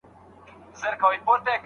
دی به پر کټ اوږد وغځېږي.